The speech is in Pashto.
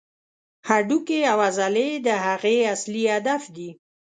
هډوکي او عضلې د هغې اصلي هدف دي.